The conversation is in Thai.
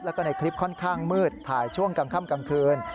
แล้วก็ในคลิปค่อนข้างมืดถ่ายช่วงกลางค่ำกลางคืน